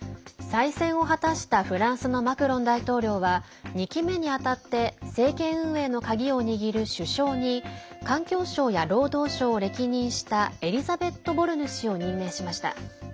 再選を果たしたフランスのマクロン大統領は２期目に当たって政権運営の鍵を握る首相に環境相や労働相を歴任したエリザベット・ボルヌ氏を任命しました。